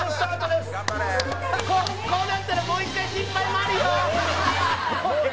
こうなったらもう一回失敗もあるよ。